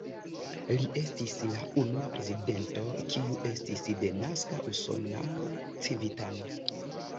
Li estis la unua prezidento, kiu estis denaska usona civitano.